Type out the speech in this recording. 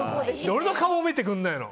俺の顔も見てくれないの。